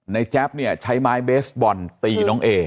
แจ๊บเนี่ยใช้ไม้เบสบอลตีน้องเอ